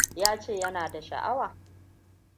Ya ce yana da sha'awa.